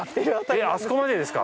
えっ、あそこまでですか。